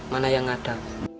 mana yang ada